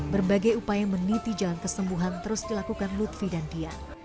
berbagai upaya meniti jalan kesembuhan terus dilakukan lutfi dan dian